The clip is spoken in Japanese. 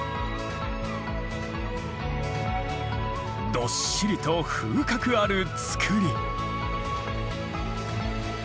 どっしりと風格ある造り。